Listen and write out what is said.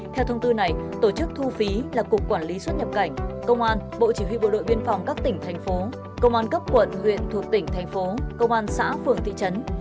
theo thông tư này tổ chức thu phí là cục quản lý xuất nhập cảnh công an bộ chỉ huy bộ đội biên phòng các tỉnh thành phố công an cấp quận huyện thuộc tỉnh thành phố công an xã phường thị trấn